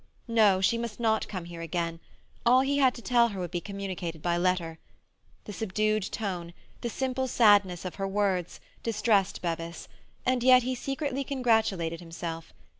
No, she must not come here again; all he had to tell her would be communicated by letter. The subdued tone, the simple sadness of her words, distressed Bevis, and yet he secretly congratulated himself.